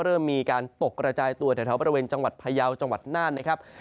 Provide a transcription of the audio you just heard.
เริ่มมีการตกกระจายตัวแถวบริเวณจังหวัดพยาวจังหวัดน่านนะครับ